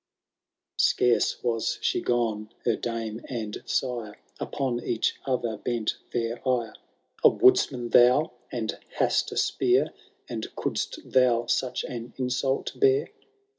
XIV. Scarce was she gone, her damo and sire Upon each other bent their ire ;^A woodsman thou, and hast a spear. And couldst thou such an insult bear